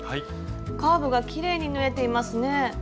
カーブがきれいに縫えていますね。